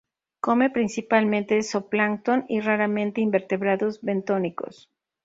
Come principalmente zoo plancton y, raramente, invertebrados bentónicos.